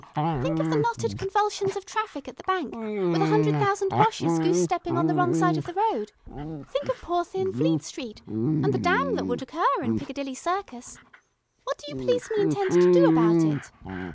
Think of the knotted convulsions of traffic at the Bank, with a hundred thousand Boches goose stepping on the wrong side of the road think of poor thin Fleet Street, and the dam that would occur in Piccadilly Circus. What do you policemen intend to do about it?"